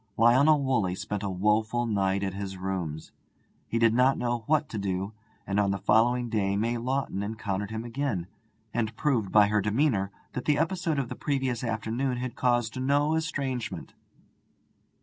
Lionel Woolley spent a woeful night at his rooms. He did not know what to do, and on the following day May Lawton encountered him again, and proved by her demeanour that the episode of the previous afternoon had caused no estrangement.